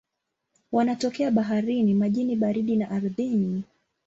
Wanatokea baharini, majini baridi na ardhini.